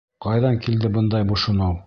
Ҡайҙан килде бындай бошоноу?